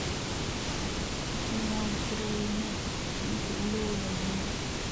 Тик миңә үлтереүе еңел, сөнки үлеүе лә еңел.